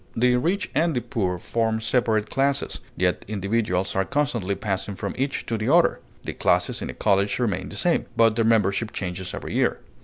The rich and the poor form separate classes; yet individuals are constantly passing from each to the other; the classes in a college remain the same, but their membership changes every year.